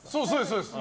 そうです。